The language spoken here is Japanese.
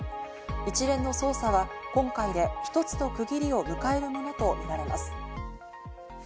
一連の捜査は今回で一つの区切りを迎えるものとみられます。